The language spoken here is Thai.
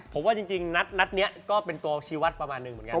ผมว่าจริงนัดนี้ก็เป็นตัวชีวัตรประมาณหนึ่งเหมือนกัน